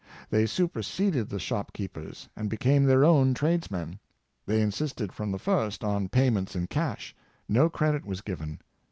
They superseded the shop keepers, and became their own tradesmen. They insisted from the first on payments in cash. No credit was given.